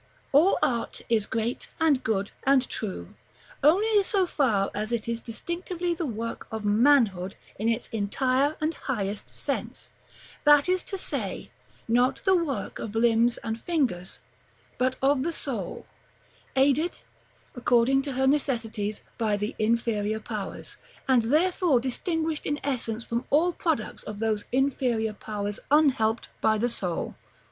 All art is great, and good, and true, only so far as it is distinctively the work of manhood in its entire and highest sense; that is to say, not the work of limbs and fingers, but of the soul, aided, according to her necessities, by the inferior powers; and therefore distinguished in essence from all products of those inferior powers unhelped by the soul.